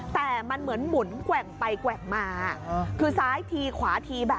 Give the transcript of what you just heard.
แต่มันเหมือนหมุนแกว่งไปแกว่งมาคือซ้ายทีขวาทีแบบ